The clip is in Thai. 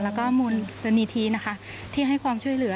แล้วก็มูลนิธินะคะที่ให้ความช่วยเหลือ